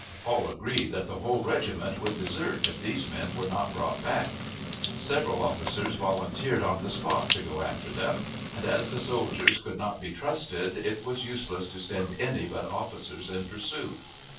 All agreed that the whole regiment would desert if these men were not brought back. Several officers volunteered on the spot to go after them; and, as the soldiers could not be trusted, it was useless to send any but officers in pursuit.